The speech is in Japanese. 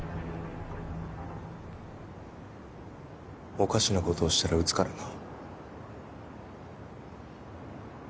おかしなことをしたら撃つからな。